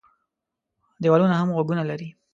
دېوالونه هم غوږونه لري.